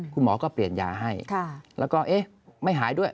คุณหมอก็เปลี่ยนยาให้แล้วก็เอ๊ะไม่หายด้วย